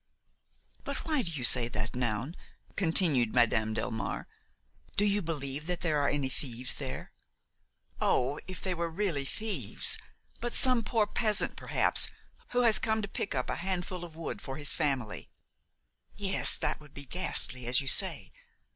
"But why do you say that, Noun," continued Madame Delmare; "do you believe that there are any thieves there?" "Oh! if they were really thieves! but some poor peasant perhaps, who has come to pick up a handful of wood for his family!" "Yes, that would be ghastly, as you say!